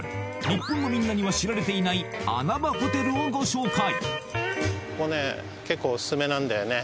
日本のみんなには知られていない穴場ホテルをご紹介